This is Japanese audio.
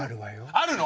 あるの！？